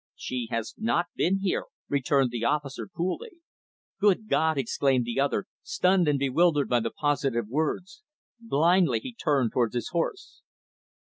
"She has not been here," returned the officer, coolly. "Good God!" exclaimed the other, stunned and bewildered by the positive words. Blindly, he turned toward his horse.